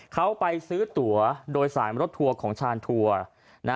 เขาไปซื้อตั๋วโดยสารรถทัวร์ของชานทัวร์